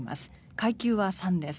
階級は３です。